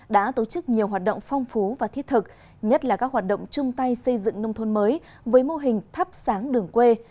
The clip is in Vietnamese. đã tổ chức nhiều hoạt động phong phú và thiết thực nhất là các hoạt động chung tay xây dựng nông thôn mới với mô hình thắp sáng đường quê